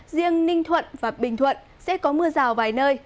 riêng ninh thuận và bình thuận sẽ có mưa rào vài nơi